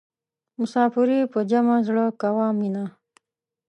مسافري په جمع زړه کوه مینه.